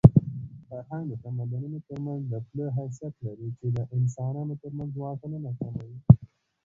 فرهنګ د تمدنونو ترمنځ د پله حیثیت لري چې د انسانانو ترمنځ واټنونه کموي.